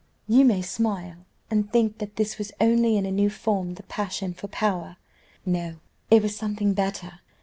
You may smile, and think that this was only in a new form the passion for power; no, it was something better.